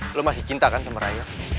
lo masih cinta kan sama raya